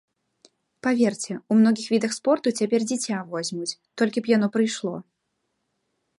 Паверце, у многіх відах спорту цяпер дзіця возьмуць, толькі б яно прыйшло.